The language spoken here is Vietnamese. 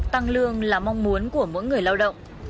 tăng lương là mong muốn của mỗi người lao động